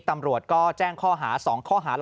ตำรวจก็แจ้งข้อหา๒ข้อหา